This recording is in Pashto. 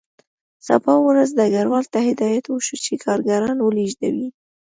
سبا ورځ ډګروال ته هدایت وشو چې کارګران ولېږدوي